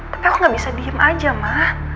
tapi aku gak bisa diem aja mah